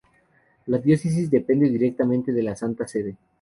La diócesis depende directamente de la Santa Sede.